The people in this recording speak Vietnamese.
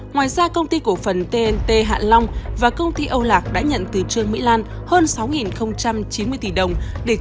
ngoài ra công ty cổ phần tnt hạ long và công ty âu lạc đã nhận từ trương mỹ lan hơn sáu chín mươi tỷ đồng